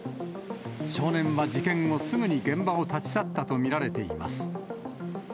少年は事件後、すぐに現場を立ち去ったと見られています。